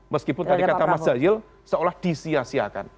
meskipun tadi kata mas jajil seolah disiasiakan